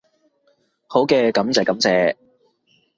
好嘅，感謝感謝